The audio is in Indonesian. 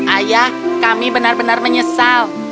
ayah kami benar benar menyesal